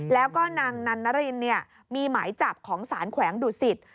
แล้วก็นางนันนรินมีหมายจับของสารแขวงดุสิต